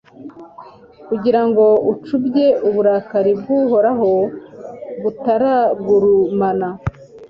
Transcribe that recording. kugira ngo ucubye uburakari bw'uhoraho butaragurumana